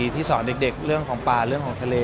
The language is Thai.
ที่สอนเด็กเรื่องของป่าเรื่องของทะเล